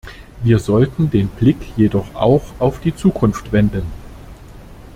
Wir sollten den Blick jedoch auch auf die Zukunft wenden.